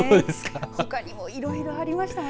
ほかにもいろいろありました。